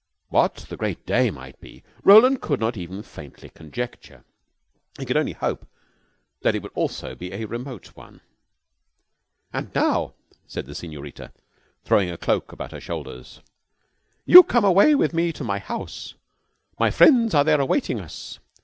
What the Great Day might be Roland could not even faintly conjecture. He could only hope that it would also be a remote one. "And now," said the Senorita, throwing a cloak about her shoulders, "you come away with me to my house. My friends are there awaiting us.